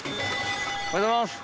おはようございます。